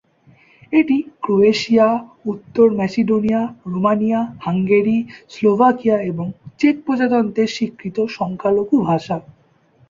এটি ক্রোয়েশিয়া, উত্তর Macedonia, Romania, Hungary, Slovakia এবং চেক প্রজাতন্ত্রের স্বীকৃত সংখ্যালঘু ভাষা।